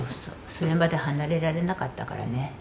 それまで離れられなかったからね。